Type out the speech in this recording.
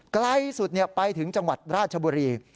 ใกล้สุดไปถึงจังหวัดราชบุรี